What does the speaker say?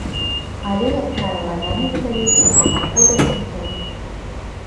Але, як правіла, яны выдаюцца на паўгода ці год.